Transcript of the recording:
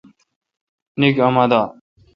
نیکھ اُما دا۔